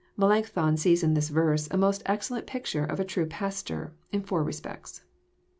Melancthon sees In this verse a most excellent picture of a true pastor, in four respects.